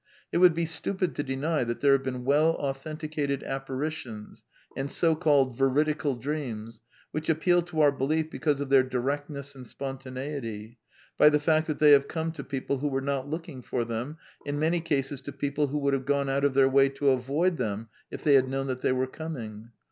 It would be stupid I to deny that there have been well authenticated appari tions, and so called veridical dreams, which appeal to our belief because of their directness and spontaneity ; by the fact that they have come to people who were not looking for them, in many cases to people who would have gone out of their way to avoid them if they had known that they were coming.